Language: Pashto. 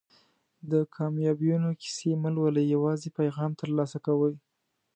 د کامیابیونې کیسې مه لولئ یوازې پیغام ترلاسه کوئ.